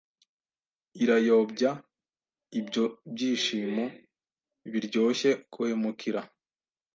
irayobya Ibyo byishimo biryoshye guhemukira